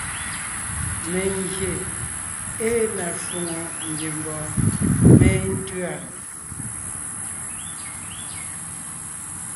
Mengyè ée na shwòŋo ngiembɔɔn méntʉ̂a.